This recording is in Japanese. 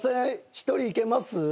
１人いけます？